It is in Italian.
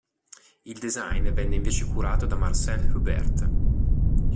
Il design venne invece curato da Marcel Hubert.